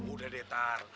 udah deh ntar